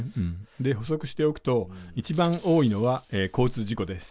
で補足しておくと一番多いのは交通事故です。